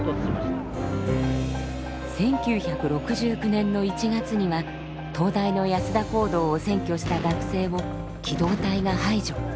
１９６９年の１月には東大の安田講堂を占拠した学生を機動隊が排除。